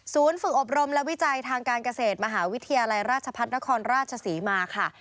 ฝึกอบรมและวิจัยทางการเกษตรมหาวิทยาลัยราชพัฒนครราชศรีมาค่ะ